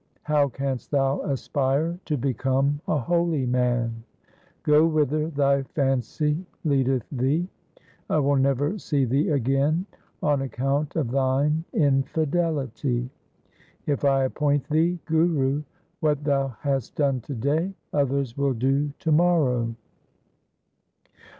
How canst thou aspire to become a holy man ? Go whither thy fancy leadeth thee. I will never see thee again on account of thine infidelity. If I appoint thee Guru, what thou hast done to day others will do to morrow.'